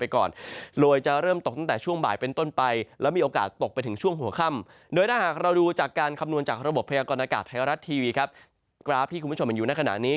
กราฟที่คุณผู้ชมมันอยู่นักขณะนี้